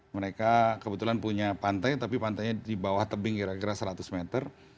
mereka kebetulan punya pantai tapi pantainya di bawah tebing kira kira seratus meter